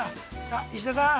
さあ、石田さん。